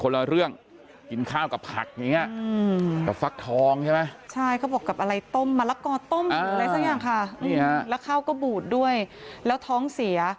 แล้วข้าวก็บูดด้วยแล้วท้องเสีย